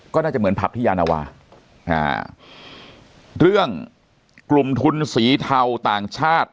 ก็น่าจะเหมือนผับที่ยานาวาอ่าเรื่องกลุ่มทุนสีเทาต่างชาติ